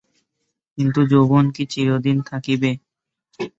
কিন্তু, যৌবন কি চিরদিন থাকিবে?